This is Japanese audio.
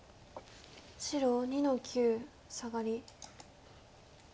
白２の九サガリ。